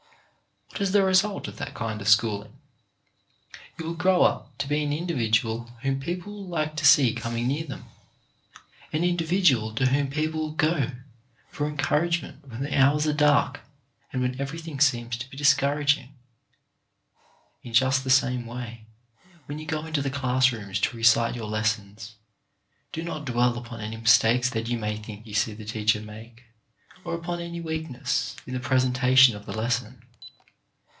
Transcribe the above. What is the result of that kind of schooling ? You will grow up to be an individual whom people will like to see coming near them— an individual to whom people will go for encour agement when the hours are dark, and when everything seems to be discouraging. In just the same way, when you go into the class rooms to recite your lessons, do not dwell upon any mistakes that you may think you see the teacher make, or upon any weakness in the presentation of the lesson.